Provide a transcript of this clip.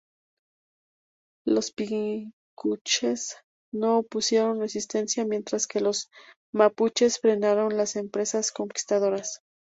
Los picunches no opusieron resistencia mientras que los mapuches frenaron las empresas conquistadoras.